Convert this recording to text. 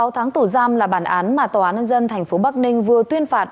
ba mươi sáu tháng tổ giam là bản án mà tòa án nhân dân tp bắc ninh vừa tuyên phạt